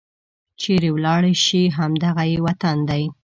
چيرې ولاړې شي؟ همد غه یې وطن دی